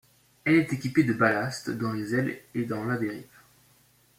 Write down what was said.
Il est équipé de ballast dans les ailes et dans la dérive.